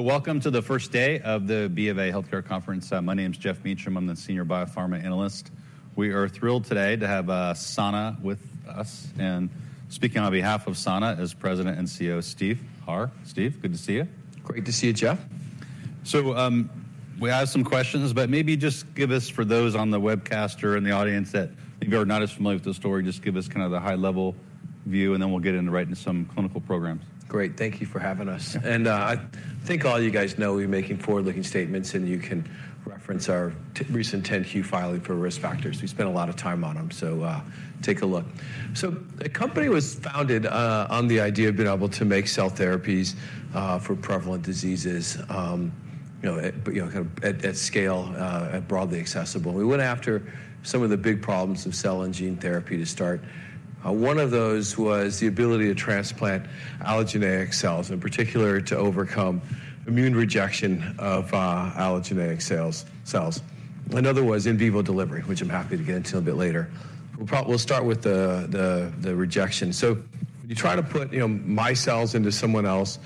Welcome to the first day of the BofA Healthcare Conference. My name's Geoff Meacham, I'm the Senior Biopharma Analyst. We are thrilled today to have Sana with us. Speaking on behalf of Sana is President and CEO Steve Harr. Steve, good to see you. Great to see you, Geoff. So we have some questions, but maybe just give us, for those on the webcast or in the audience that maybe are not as familiar with the story, just give us kind of the high-level view and then we'll get into right into some clinical programs. Great, thank you for having us. I think all you guys know, we're making forward-looking statements and you can reference our recent 10-Q filing for risk factors. We spent a lot of time on them, so take a look. The company was founded on the idea of being able to make cell therapies for prevalent diseases, kind of at scale, broadly accessible. We went after some of the big problems of cell and gene therapy to start. One of those was the ability to transplant allogeneic cells, in particular to overcome immune rejection of allogeneic cells. Another was in vivo delivery, which I'm happy to get into a little bit later. We'll start with the rejection. When you try to put my cells into someone else,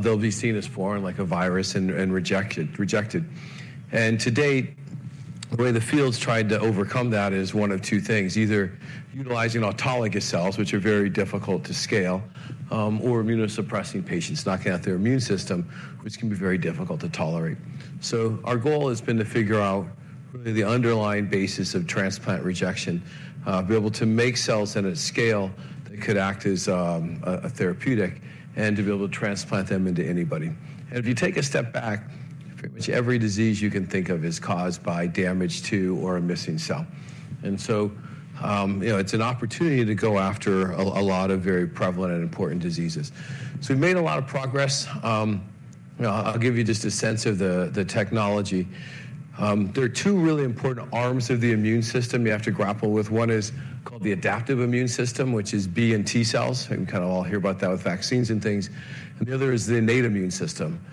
they'll be seen as foreign, like a virus, and rejected. To date, the way the field's tried to overcome that is one of two things: either utilizing autologous cells, which are very difficult to scale, or immunosuppressing patients, knocking out their immune system, which can be very difficult to tolerate. Our goal has been to figure out really the underlying basis of transplant rejection, be able to make cells at a scale that could act as a therapeutic, and to be able to transplant them into anybody. If you take a step back, pretty much every disease you can think of is caused by damage to or a missing cell. So it's an opportunity to go after a lot of very prevalent and important diseases. We've made a lot of progress. I'll give you just a sense of the technology. There are two really important arms of the immune system you have to grapple with. One is called the adaptive immune system, which is B and T cells. We can kind of all hear about that with vaccines and things. The other is the innate immune system,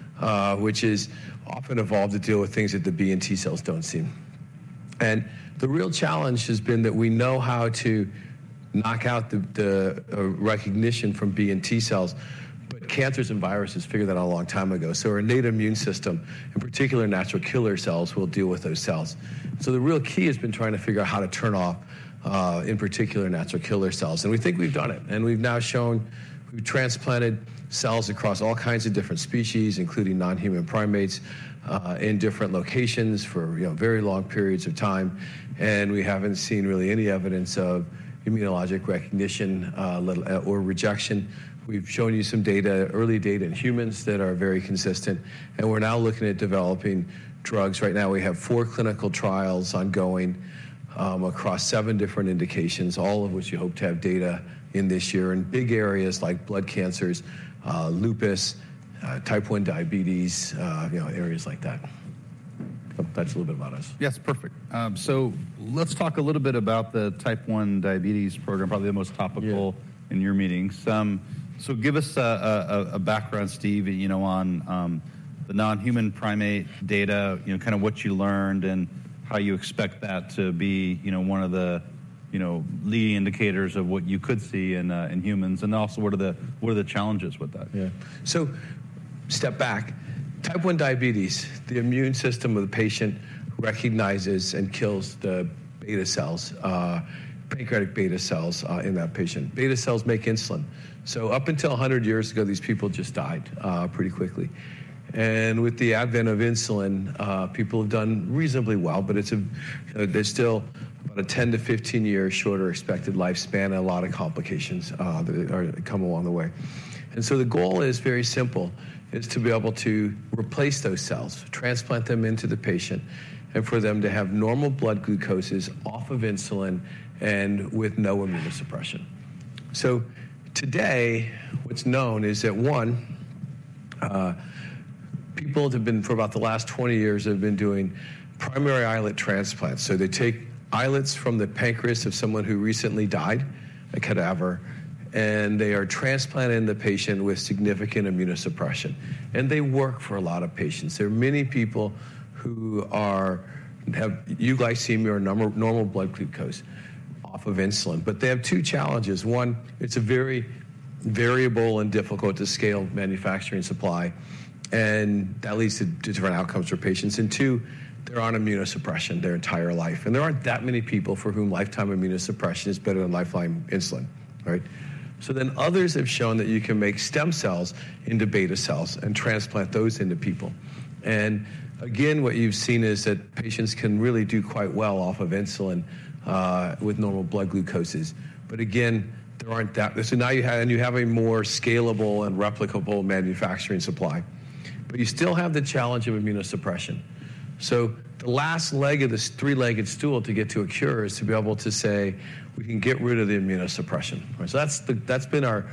which is often evolved to deal with things that the B and T cells don't seem. The real challenge has been that we know how to knock out the recognition from B and T cells, but cancers and viruses figured that out a long time ago. Our innate immune system, in particular natural killer cells, will deal with those cells. The real key has been trying to figure out how to turn off, in particular, natural killer cells. We think we've done it. We've now shown we've transplanted cells across all kinds of different species, including non-human primates, in different locations for very long periods of time. We haven't seen really any evidence of immunologic recognition or rejection. We've shown you some data, early data in humans, that are very consistent. We're now looking at developing drugs. Right now we have four clinical trials ongoing across seven different indications, all of which we hope to have data in this year, in big areas like blood cancers, lupus, type 1 diabetes, areas like that. That's a little bit about us. Yes, perfect. So let's talk a little bit about the Type 1 diabetes program, probably the most topical in your meetings. So give us a background, Steve, on the non-human primate data, kind of what you learned and how you expect that to be one of the leading indicators of what you could see in humans, and also what are the challenges with that? Yeah. So step back. Type 1 diabetes, the immune system of the patient recognizes and kills the beta cells, pancreatic beta cells in that patient. Beta cells make insulin. So up until 100 years ago, these people just died pretty quickly. And with the advent of insulin, people have done reasonably well, but there's still about a 10-15 years shorter expected lifespan and a lot of complications that come along the way. And so the goal is very simple, is to be able to replace those cells, transplant them into the patient, and for them to have normal blood glucoses off of insulin and with no immunosuppression. So today, what's known is that, one, people that have been for about the last 20 years have been doing primary islet transplants. So they take islets from the pancreas of someone who recently died, a cadaver, and they are transplanting the patient with significant immunosuppression. And they work for a lot of patients. There are many people who have euglycemia or normal blood glucose off of insulin. But they have two challenges. One, it's very variable and difficult to scale manufacturing supply, and that leads to different outcomes for patients. And two, they're on immunosuppression their entire life. And there aren't that many people for whom lifetime immunosuppression is better than lifelong insulin, right? So then others have shown that you can make stem cells into beta cells and transplant those into people. And again, what you've seen is that patients can really do quite well off of insulin with normal blood glucoses. But again, there aren't that and you have a more scalable and replicable manufacturing supply. But you still have the challenge of immunosuppression. So the last leg of this three-legged stool to get to a cure is to be able to say, we can get rid of the immunosuppression. So that's been our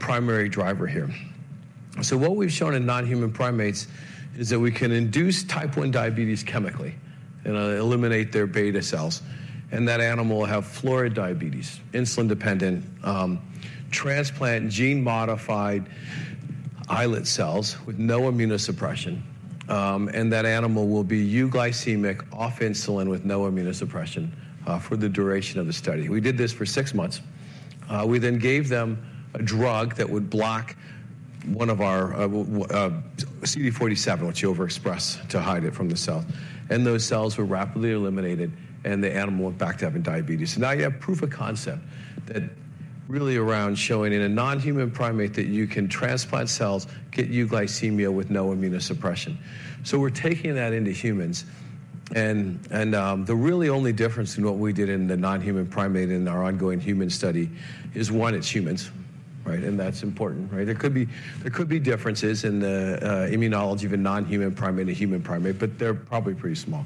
primary driver here. So what we've shown in non-human primates is that we can induce type 1 diabetes chemically and eliminate their beta cells. And that animal will have florid diabetes, insulin-dependent, transplant gene-modified islet cells with no immunosuppression. And that animal will be euglycemic off insulin with no immunosuppression for the duration of the study. We did this for six months. We then gave them a drug that would block one of our CD47, which you overexpress to hide it from the cells. And those cells were rapidly eliminated, and the animal went back to having diabetes. So now you have proof of concept that really around showing in a non-human primate that you can transplant cells, get euglycemia with no immunosuppression. So we're taking that into humans. And the really only difference in what we did in the non-human primate in our ongoing human study is, one, it's humans, right? And that's important, right? There could be differences in the immunology of a non-human primate and a human primate, but they're probably pretty small.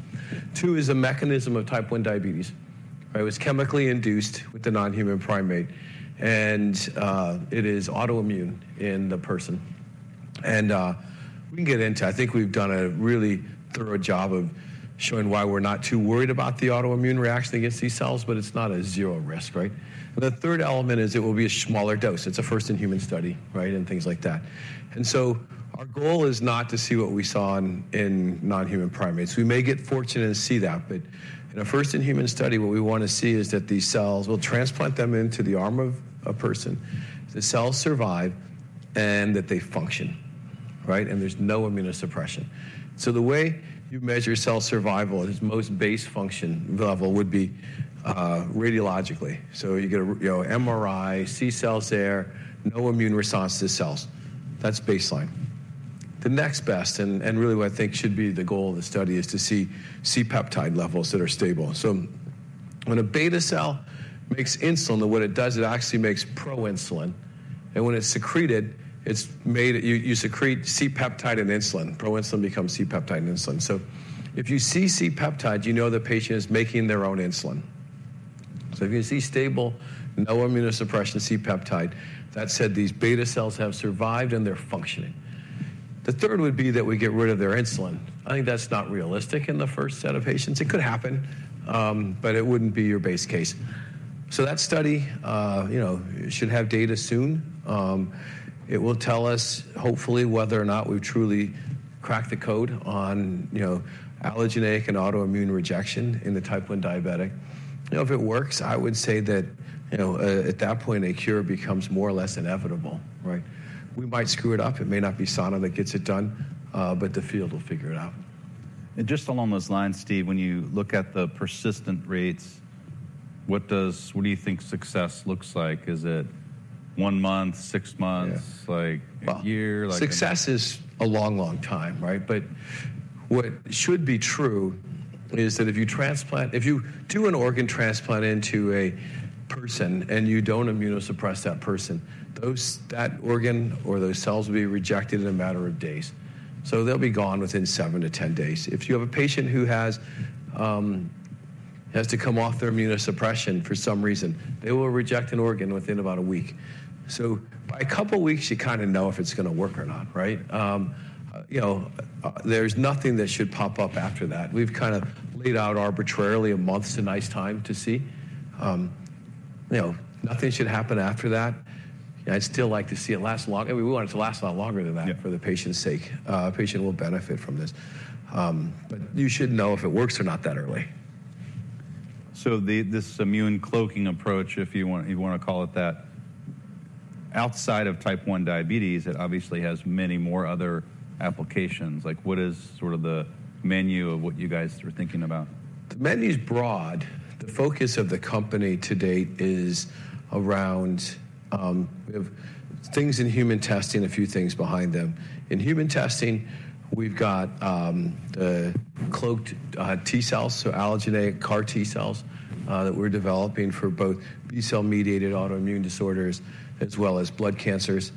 Two, is a mechanism of type 1 diabetes. It was chemically induced with the non-human primate, and it is autoimmune in the person. And we can get into it. I think we've done a really thorough job of showing why we're not too worried about the autoimmune reaction against these cells, but it's not a zero risk, right? And the third element is it will be a smaller dose. It's a first-in-human study, right, and things like that. So our goal is not to see what we saw in non-human primates. We may get fortunate to see that, but in a first-in-human study, what we want to see is that these cells we'll transplant them into the arm of a person. The cells survive and that they function, right? And there's no immunosuppression. So the way you measure cell survival at its most base function level would be radiologically. So you get an MRI, see cells there, no immune response to the cells. That's baseline. The next best, and really what I think should be the goal of the study, is to see C-peptide levels that are stable. So when a beta cell makes insulin, what it does, it actually makes proinsulin. And when it's secreted, it makes you secrete C-peptide and insulin. Proinsulin becomes C-peptide and insulin. So if you see C-peptide, you know the patient is making their own insulin. So if you see stable, no immunosuppression C-peptide, that said, these beta cells have survived and they're functioning. The third would be that we get rid of their insulin. I think that's not realistic in the first set of patients. It could happen, but it wouldn't be your base case. So that study should have data soon. It will tell us, hopefully, whether or not we've truly cracked the code on allogeneic and autoimmune rejection in the type 1 diabetic. If it works, I would say that at that point, a cure becomes more or less inevitable, right? We might screw it up. It may not be Sana that gets it done, but the field will figure it out. And just along those lines, Steve, when you look at the persistent rates, what do you think success looks like? Is it one month, six months, like a year? Success is a long, long time, right? But what should be true is that if you do an organ transplant into a person and you don't immunosuppress that person, that organ or those cells will be rejected in a matter of days. So they'll be gone within 7 to 10 days. If you have a patient who has to come off their immunosuppression for some reason, they will reject an organ within about a week. So by a couple of weeks, you kind of know if it's going to work or not, right? There's nothing that should pop up after that. We've kind of laid out arbitrarily a month is a nice time to see. Nothing should happen after that. I'd still like to see it last longer. We want it to last a lot longer than that for the patient's sake. A patient will benefit from this. You should know if it works or not that early. So this immune cloaking approach, if you want to call it that, outside of Type 1 diabetes, it obviously has many more other applications. What is sort of the menu of what you guys are thinking about? The menu's broad. The focus of the company to date is around we have things in human testing, a few things behind them. In human testing, we've got the cloaked T cells, so allogeneic CAR T cells that we're developing for both B cell-mediated autoimmune disorders as well as blood cancers.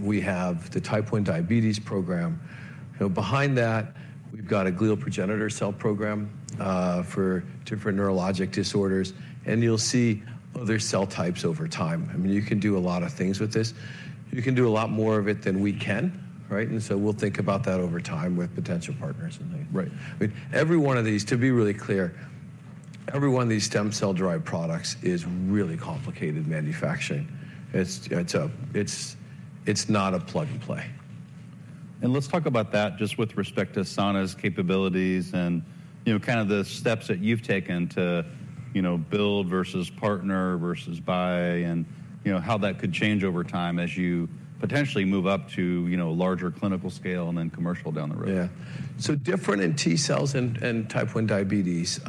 We have the type 1 diabetes program. Behind that, we've got a glial progenitor cell program for different neurologic disorders. And you'll see other cell types over time. I mean, you can do a lot of things with this. You can do a lot more of it than we can, right? And so we'll think about that over time with potential partners and things. I mean, every one of these, to be really clear, every one of these stem cell-derived products is really complicated manufacturing. It's not a plug-and-play. Let's talk about that just with respect to Sana's capabilities and kind of the steps that you've taken to build versus partner versus buy and how that could change over time as you potentially move up to larger clinical scale and then commercial down the road. Yeah. So different in T cells and type 1 diabetes.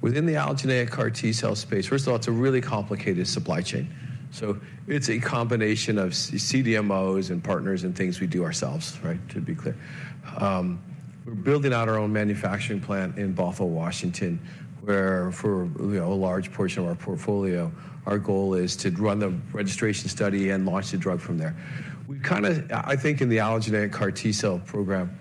Within the allogeneic CAR T cell space, first of all, it's a really complicated supply chain. So it's a combination of CDMOs and partners and things we do ourselves, right, to be clear. We're building out our own manufacturing plant in Bothell, Washington, where for a large portion of our portfolio, our goal is to run the registration study and launch the drug from there. We've kind of, I think, in the allogeneic CAR T cell program,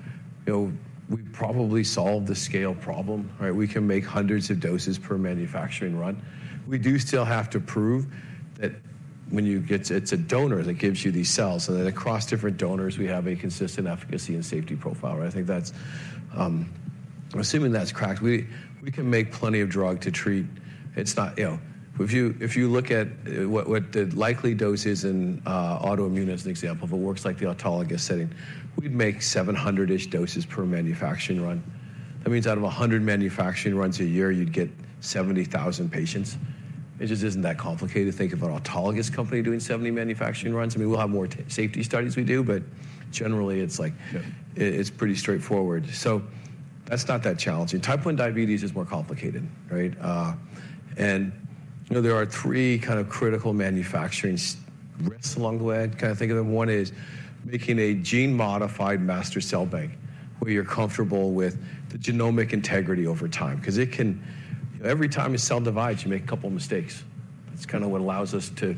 we've probably solved the scale problem, right? We can make hundreds of doses per manufacturing run. We do still have to prove that when you get it's a donor that gives you these cells, and then across different donors, we have a consistent efficacy and safety profile, right? I think that's assuming that's cracked, we can make plenty of drug to treat. If you look at what the likely dose is in autoimmune as an example, if it works like the autologous setting, we'd make 700-ish doses per manufacturing run. That means out of 100 manufacturing runs a year, you'd get 70,000 patients. It just isn't that complicated to think of an autologous company doing 70 manufacturing runs. I mean, we'll have more safety studies we do, but generally, it's pretty straightforward. So that's not that challenging. Type 1 diabetes is more complicated, right? And there are three kind of critical manufacturing risks along the way. I kind of think of them. One is making a gene-modified master cell bank where you're comfortable with the genomic integrity over time. Because every time a cell divides, you make a couple of mistakes. That's kind of what allows us to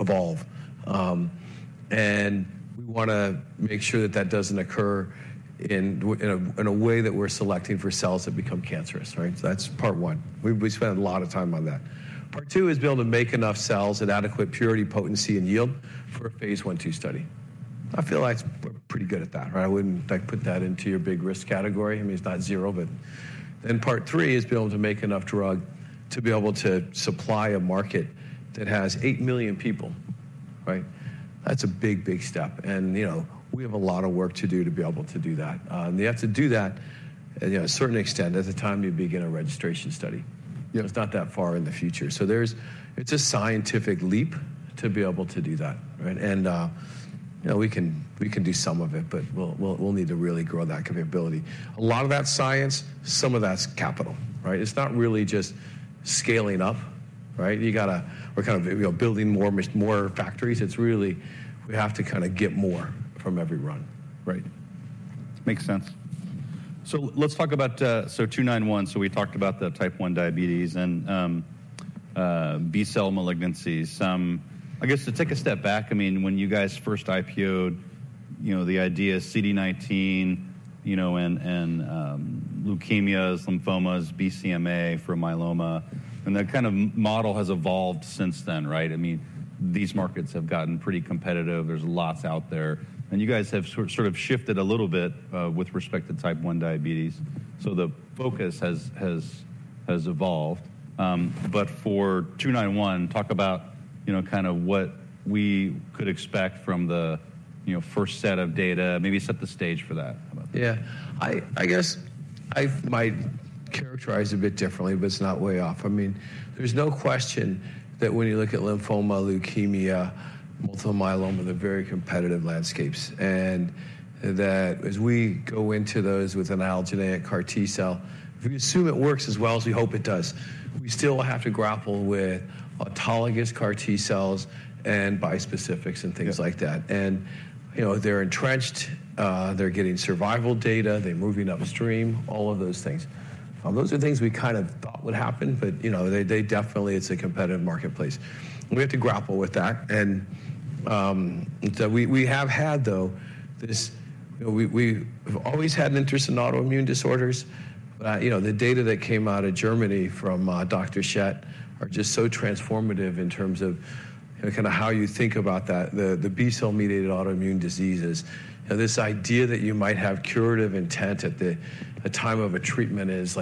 evolve. We want to make sure that that doesn't occur in a way that we're selecting for cells that become cancerous, right? So that's part one. We spend a lot of time on that. Part two is being able to make enough cells at adequate purity, potency, and yield for a phase 1, 2 study. I feel like we're pretty good at that, right? I wouldn't put that into your big risk category. I mean, it's not zero, but then part three is being able to make enough drug to be able to supply a market that has eight million people, right? That's a big, big step. And we have a lot of work to do to be able to do that. And you have to do that to a certain extent at the time you begin a registration study. It's not that far in the future. So it's a scientific leap to be able to do that, right? And we can do some of it, but we'll need to really grow that capability. A lot of that's science. Some of that's capital, right? It's not really just scaling up, right? We're kind of building more factories. It's really we have to kind of get more from every run, right? Makes sense. So let's talk about SC291. So we talked about the Type 1 diabetes and B cell malignancies. I guess to take a step back, I mean, when you guys first IPOed, the idea is CD19 and leukemias, lymphomas, BCMA for myeloma. And that kind of model has evolved since then, right? I mean, these markets have gotten pretty competitive. There's lots out there. And you guys have sort of shifted a little bit with respect to Type 1 diabetes. So the focus has evolved. But for 291, talk about kind of what we could expect from the first set of data. Maybe set the stage for that. How about that? Yeah. I guess I might characterize it a bit differently, but it's not way off. I mean, there's no question that when you look at lymphoma, leukemia, multiple myeloma, they're very competitive landscapes. And that as we go into those with an allogeneic CAR T cell, if we assume it works as well as we hope it does, we still have to grapple with autologous CAR T cells and bispecifics and things like that. And they're entrenched. They're getting survival data. They're moving upstream, all of those things. Those are things we kind of thought would happen, but they definitely it's a competitive marketplace. We have to grapple with that. And we have had, though, this we've always had an interest in autoimmune disorders. But the data that came out of Germany from Dr. Schett's are just so transformative in terms of kind of how you think about that, the B cell-mediated autoimmune diseases. This idea that you might have curative intent at the time of a treatment is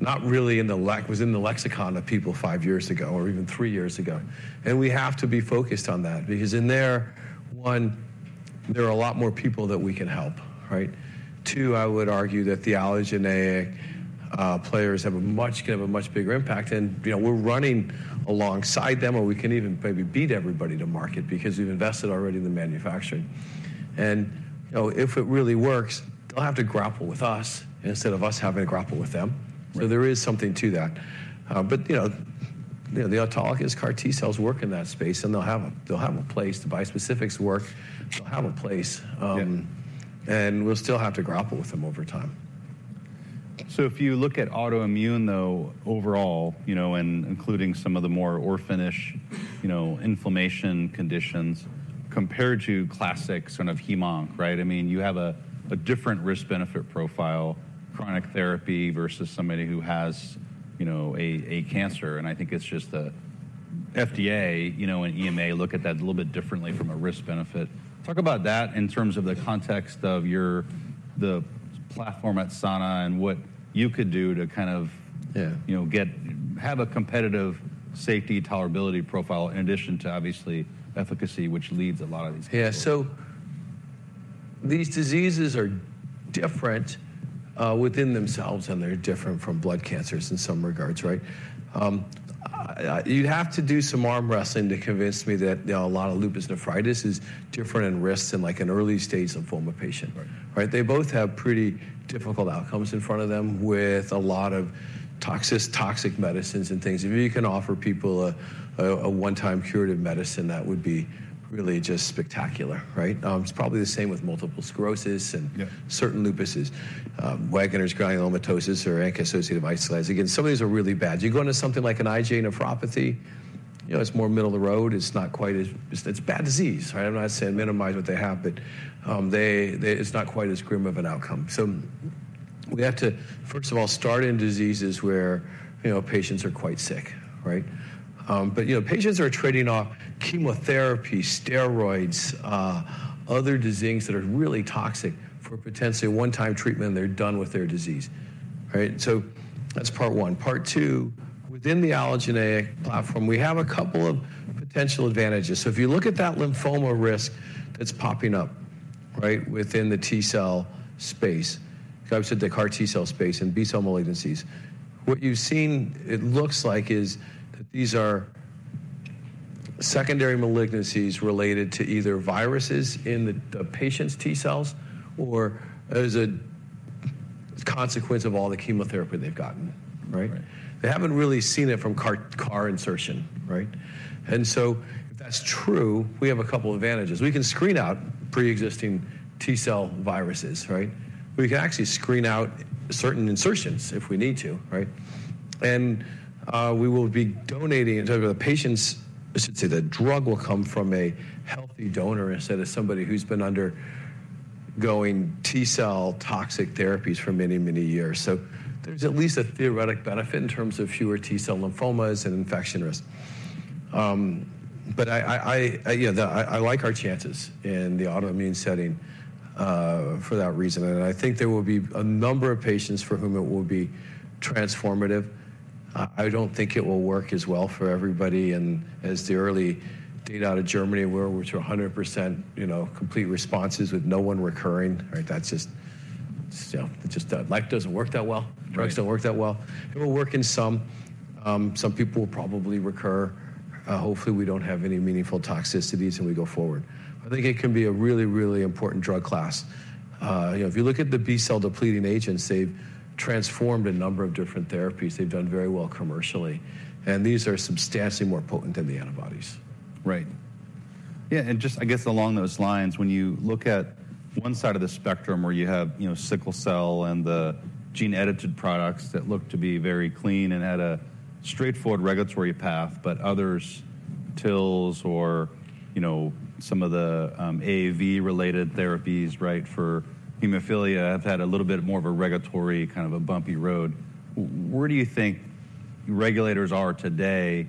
not really was in the lexicon of people five years ago or even three years ago. And we have to be focused on that because in there, one, there are a lot more people that we can help, right? Two, I would argue that the allogeneic players have a much bigger impact. And we're running alongside them, or we can even maybe beat everybody to market because we've invested already in the manufacturing. And if it really works, they'll have to grapple with us instead of us having to grapple with them. So there is something to that. But the autologous CAR T cells work in that space, and they'll have a place. The bispecifics work. They'll have a place. And we'll still have to grapple with them over time. So if you look at autoimmune, though, overall, including some of the more orphan-ish inflammatory conditions, compared to classic sort of HemOnc, right? I mean, you have a different risk-benefit profile, chronic therapy versus somebody who has a cancer. And I think it's just the FDA and EMA look at that a little bit differently from a risk-benefit. Talk about that in terms of the context of the platform at Sana and what you could do to kind of have a competitive safety tolerability profile in addition to, obviously, efficacy, which leads a lot of these cases. Yeah. So these diseases are different within themselves, and they're different from blood cancers in some regards, right? You have to do some arm wrestling to convince me that a lot of lupus nephritis is different in risks in an early-stage lymphoma patient, right? They both have pretty difficult outcomes in front of them with a lot of toxic medicines and things. If you can offer people a one-time curative medicine, that would be really just spectacular, right? It's probably the same with multiple sclerosis and certain lupuses. Wegener's granulomatosis or ANCA-associated vasculitis. Again, some of these are really bad. If you go into something like an IgA nephropathy, it's more middle of the road. It's not quite as it's a bad disease, right? I'm not saying minimize what they have, but it's not quite as grim of an outcome. So we have to, first of all, start in diseases where patients are quite sick, right? But patients are trading off chemotherapy, steroids, other diseases that are really toxic for potentially a one-time treatment, and they're done with their disease, right? So that's part one. Part two, within the allogeneic platform, we have a couple of potential advantages. So if you look at that lymphoma risk that's popping up, right, within the T cell space, I've said the CAR T cell space and B cell malignancies, what you've seen it looks like is that these are secondary malignancies related to either viruses in the patient's T cells or as a consequence of all the chemotherapy they've gotten, right? They haven't really seen it from CAR insertion, right? And so if that's true, we have a couple of advantages. We can screen out pre-existing T cell viruses, right? We can actually screen out certain insertions if we need to, right? And we will be donating in terms of the patient's, I should say the drug will come from a healthy donor instead of somebody who's been undergoing T cell toxic therapies for many, many years. So there's at least a theoretical benefit in terms of fewer T cell lymphomas and infection risk. But I like our chances in the autoimmune setting for that reason. And I think there will be a number of patients for whom it will be transformative. I don't think it will work as well for everybody. And as the early data out of Germany were, which were 100% complete responses with no one recurring, right? Life doesn't work that well. Drugs don't work that well. It will work in some. Some people will probably recur. Hopefully, we don't have any meaningful toxicities, and we go forward. I think it can be a really, really important drug class. If you look at the B cell depleting agents, they've transformed a number of different therapies. They've done very well commercially. And these are substantially more potent than the antibodies. Right. Yeah. And just I guess along those lines, when you look at one side of the spectrum where you have sickle cell and the gene-edited products that look to be very clean and had a straightforward regulatory path, but others, TILs or some of the AAV-related therapies, right, for hemophilia have had a little bit more of a regulatory kind of a bumpy road. Where do you think regulators are today,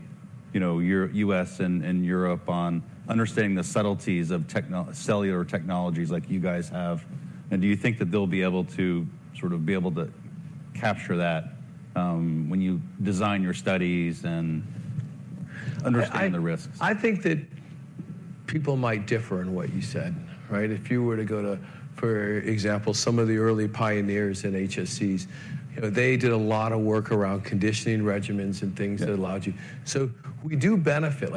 U.S. and Europe, on understanding the subtleties of cellular technologies like you guys have? And do you think that they'll be able to sort of be able to capture that when you design your studies and understand the risks? I think that people might differ in what you said, right? If you were to go to, for example, some of the early pioneers in HSCs, they did a lot of work around conditioning regimens and things that allowed you so we do benefit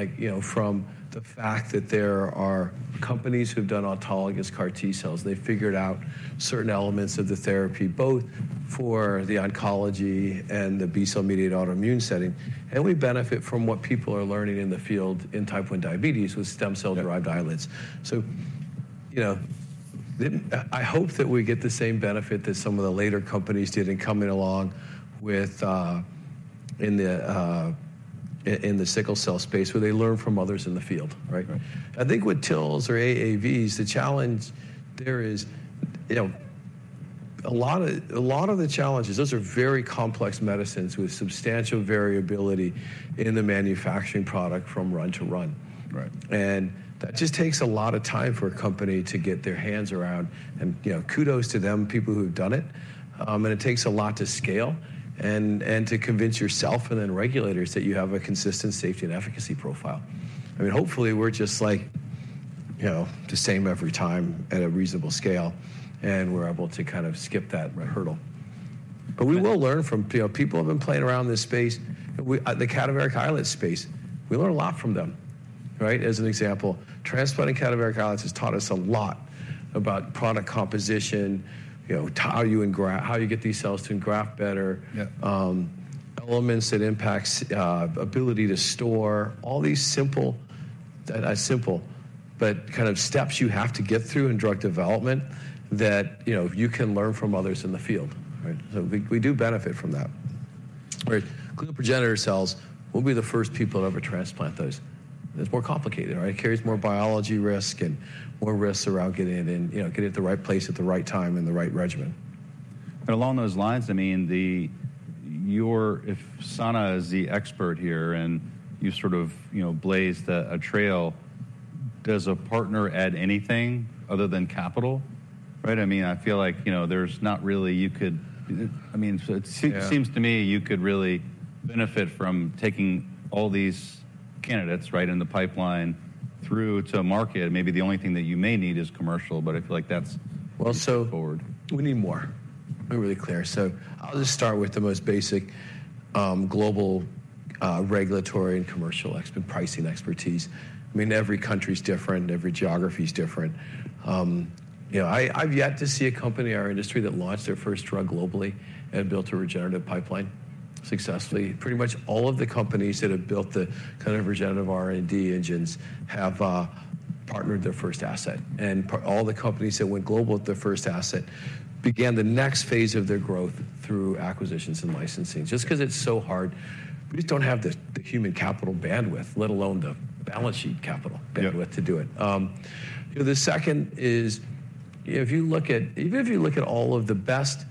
from the fact that there are companies who have done autologous CAR T cells. They figured out certain elements of the therapy, both for the oncology and the B cell-mediated autoimmune setting. And we benefit from what people are learning in the field in type 1 diabetes with stem cell-derived islets. So I hope that we get the same benefit that some of the later companies did in coming along in the sickle cell space where they learned from others in the field, right? I think with TILs or AAVs, the challenge there is a lot of the challenges. Those are very complex medicines with substantial variability in the manufacturing product from run to run. And that just takes a lot of time for a company to get their hands around. And kudos to them, people who have done it. And it takes a lot to scale and to convince yourself and then regulators that you have a consistent safety and efficacy profile. I mean, hopefully, we're just like the same every time at a reasonable scale, and we're able to kind of skip that hurdle. But we will learn from people who have been playing around this space, the cadaveric islet space. We learn a lot from them, right? As an example, transplanting cadaveric islets has taught us a lot about product composition, how you get these cells to engraft better, elements that impact ability to store, all these simple but kind of steps you have to get through in drug development that you can learn from others in the field, right? So we do benefit from that. All right. Glial progenitor cells, we'll be the first people to ever transplant those. It's more complicated, right? It carries more biology risk and more risks around getting it in, getting it at the right place, at the right time, in the right regimen. Along those lines, I mean, if Sana is the expert here and you sort of blaze a trail, does a partner add anything other than capital, right? I mean, I feel like there's not really you could. I mean, it seems to me you could really benefit from taking all these candidates, right, in the pipeline through to market. Maybe the only thing that you may need is commercial, but I feel like that's moving forward. Well, we need more. I'm really clear. I'll just start with the most basic global regulatory and commercial pricing expertise. I mean, every country's different. Every geography's different. I've yet to see a company in our industry that launched their first drug globally and built a regenerative pipeline successfully. Pretty much all of the companies that have built the kind of regenerative R&D engines have partnered their first asset. All the companies that went global with their first asset began the next phase of their growth through acquisitions and licensing just because it's so hard. We just don't have the human capital bandwidth, let alone the balance sheet capital bandwidth to do it. The second is if you look at all of the best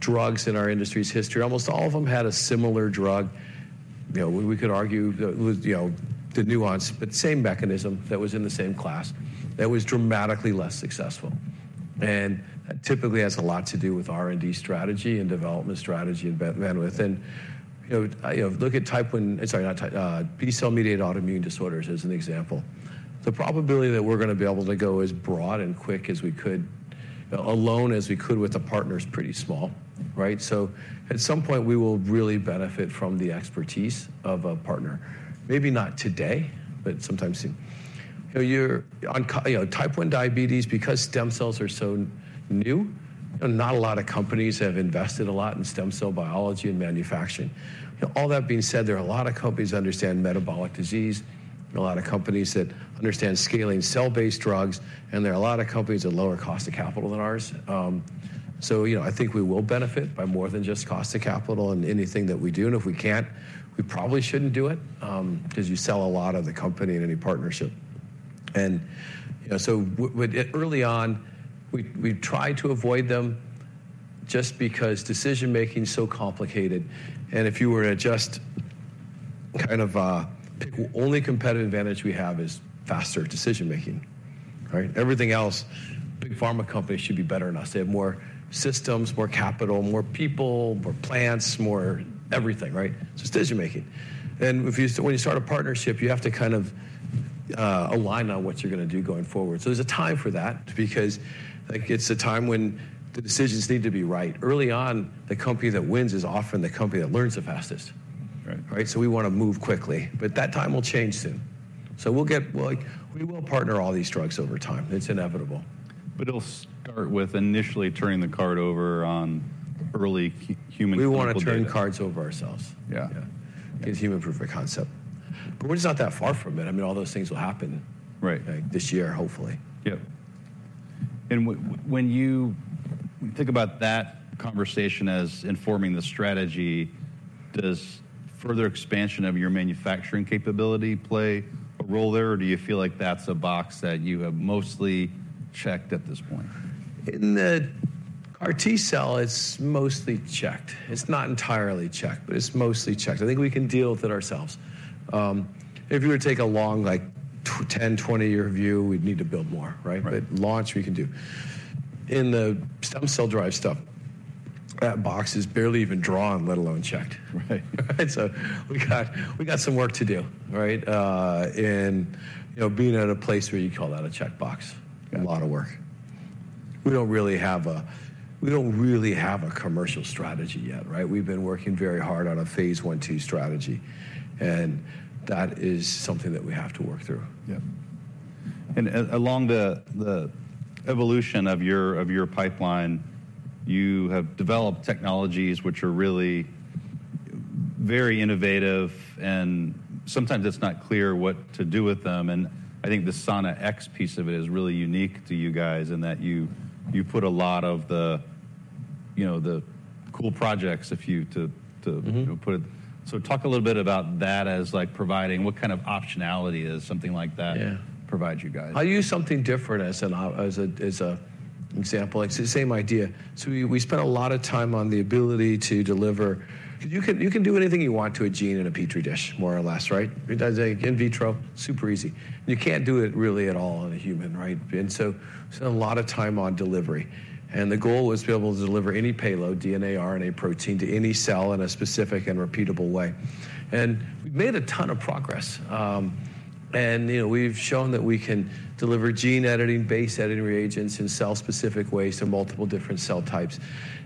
drugs in our industry's history, almost all of them had a similar drug. We could argue the nuance, but same mechanism that was in the same class that was dramatically less successful. That typically has a lot to do with R&D strategy and development strategy and bandwidth. Look at type 1 sorry, not type, B cell-mediated autoimmune disorders as an example. The probability that we're going to be able to go as broad and quick as we could, alone as we could with a partner, is pretty small, right? At some point, we will really benefit from the expertise of a partner, maybe not today, but sometime soon. Type 1 diabetes, because stem cells are so new, not a lot of companies have invested a lot in stem cell biology and manufacturing. All that being said, there are a lot of companies that understand metabolic disease, a lot of companies that understand scaling cell-based drugs, and there are a lot of companies at lower cost of capital than ours. So I think we will benefit by more than just cost of capital and anything that we do. And if we can't, we probably shouldn't do it because you sell a lot of the company in any partnership. And so early on, we tried to avoid them just because decision-making is so complicated. And if you were to just kind of pick only competitive advantage we have is faster decision-making, right? Everything else, big pharma companies should be better enough. They have more systems, more capital, more people, more plants, more everything, right? So it's decision-making. When you start a partnership, you have to kind of align on what you're going to do going forward. So there's a time for that because it's a time when the decisions need to be right. Early on, the company that wins is often the company that learns the fastest, right? So we want to move quickly. But that time will change soon. So we will partner all these drugs over time. It's inevitable. It'll start with initially turning the card over on early human proof. We want to turn cards over ourselves. It's a human-proof concept. But we're just not that far from it. I mean, all those things will happen this year, hopefully. Yep. And when you think about that conversation as informing the strategy, does further expansion of your manufacturing capability play a role there, or do you feel like that's a box that you have mostly checked at this point? In the CAR T cell, it's mostly checked. It's not entirely checked, but it's mostly checked. I think we can deal with it ourselves. If you were to take a long 10, 20-year view, we'd need to build more, right? But launch, we can do. In the stem cell-derived stuff, that box is barely even drawn, let alone checked, right? So we got some work to do, right? And being at a place where you'd call that a checkbox, a lot of work. We don't really have a commercial strategy yet, right? We've been working very hard on a phase one, two strategy. And that is something that we have to work through. Yep. And along the evolution of your pipeline, you have developed technologies which are really very innovative, and sometimes it's not clear what to do with them. And I think the SanaX piece of it is really unique to you guys in that you put a lot of the cool projects, if you to put it so. Talk a little bit about that as providing what kind of optionality is something like that provide you guys? I'll use something different as an example. Same idea. So we spent a lot of time on the ability to deliver because you can do anything you want to a gene in a Petri dish, more or less, right? In vitro, super easy. And you can't do it really at all on a human, right? And so spent a lot of time on delivery. And the goal was to be able to deliver any payload, DNA, RNA, protein to any cell in a specific and repeatable way. And we've made a ton of progress. And we've shown that we can deliver gene editing, base editing reagents in cell-specific ways to multiple different cell types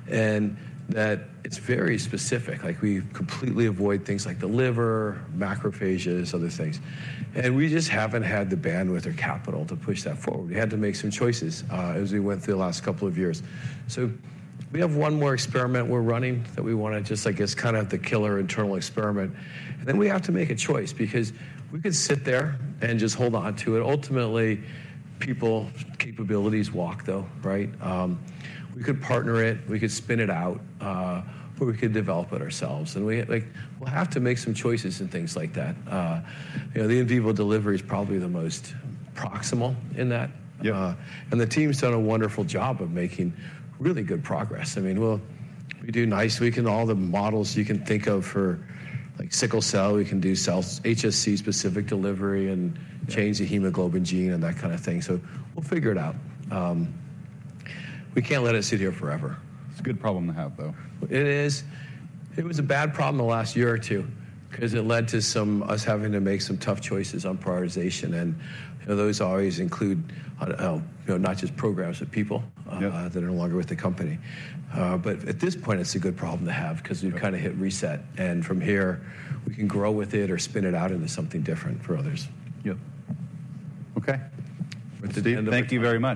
and that it's very specific. We completely avoid things like the liver, macrophages, other things. And we just haven't had the bandwidth or capital to push that forward. We had to make some choices as we went through the last couple of years. So we have one more experiment we're running that we want to just, I guess, kind of the killer internal experiment. And then we have to make a choice because we could sit there and just hold on to it. Ultimately, people's capabilities walk, though, right? We could partner it. We could spin it out, or we could develop it ourselves. And we'll have to make some choices in things like that. The in vivo delivery is probably the most proximal in that. And the team's done a wonderful job of making really good progress. I mean, we'll do knockout and all the models you can think of for sickle cell. We can do HSC-specific delivery and change the hemoglobin gene and that kind of thing. So we'll figure it out. We can't let it sit here forever. It's a good problem to have, though. It is. It was a bad problem the last year or two because it led to us having to make some tough choices on prioritization. Those always include not just programs but people that are no longer with the company. At this point, it's a good problem to have because we've kind of hit reset. From here, we can grow with it or spin it out into something different for others. Yep. Okay. Thank you very much.